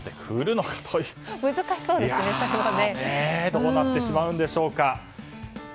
どうなってしまうんでしょうか。